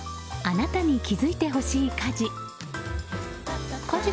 あなたに気づいてほしい家事。